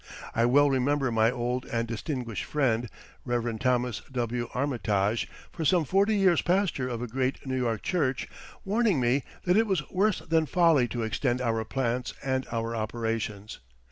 I well remember my old and distinguished friend, Rev. Thomas W. Armitage, for some forty years pastor of a great New York church, warning me that it was worse than folly to extend our plants and our operations.